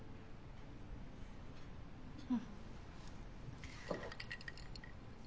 うん。